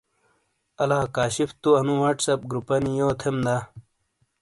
الا کاشف تو انو واٹس اپ گروپانی یو تھیم دا؟